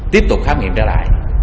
tiếp tục khám nghiệm trở lại